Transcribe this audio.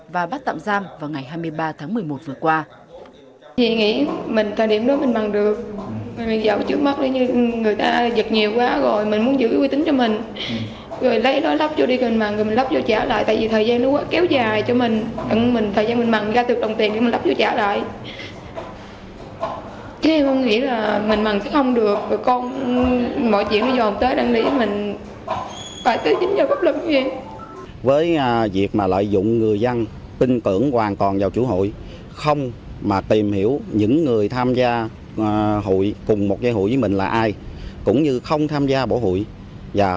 và bắt tạm giam vào ngày hai mươi ba tháng một mươi một vừa qua